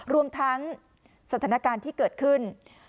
รวมทั้งสถานการณ์ที่เกิดขึ้น